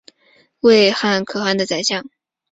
为牟羽可汗的宰相。